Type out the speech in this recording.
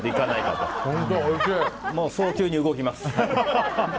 早急に動きます。